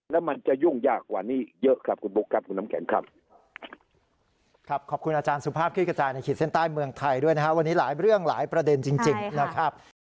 และมันจะยุ่งยากกว่านี้เยอะครับคุณปุ๊กครับคุณน้ำแข็งครับ